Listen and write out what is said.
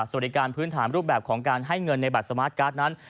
สวัสดีการพื้นฐานรูปแบบของการให้เงินในบัตรสมาร์ทการ์ดนั้น